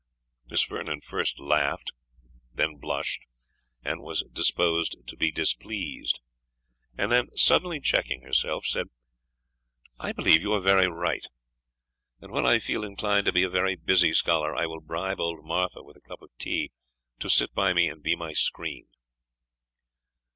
Miss Vernon first laughed, then blushed, and was disposed to be displeased; and then, suddenly checking herself, said, "I believe you are very right; and when I feel inclined to be a very busy scholar, I will bribe old Martha with a cup of tea to sit by me and be my screen."